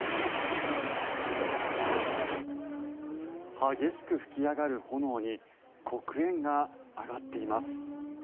激しく噴き上がる炎に黒煙が上がっています。